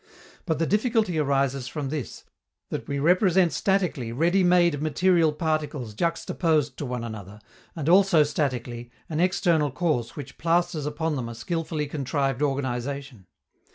But the difficulty arises from this, that we represent statically ready made material particles juxtaposed to one another, and, also statically, an external cause which plasters upon them a skilfully contrived organization.